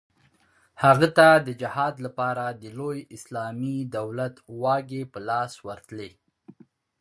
هغه ته د جهاد لپاره د لوی اسلامي دولت واګې په لاس ورتلې.